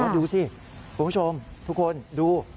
ดูสิคุณผู้ชมทุกคนดู